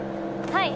はい。